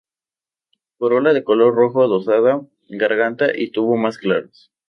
Corola de color rojo rosada; garganta y tubo más claros.